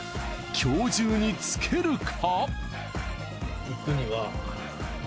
今日中に着けるか？